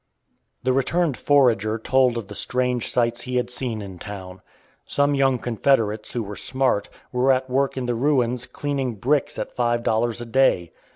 The returned forager told of the strange sights he had seen in town. Some young Confederates, who were smart, were at work in the ruins cleaning bricks at five dollars a day.